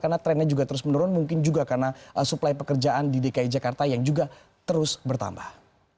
karena trennya juga terus menurun mungkin juga karena suplai pekerjaan di dki jakarta yang juga terus bertambah